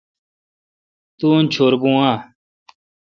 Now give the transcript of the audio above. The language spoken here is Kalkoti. تو ان چھور بھو اؘ۔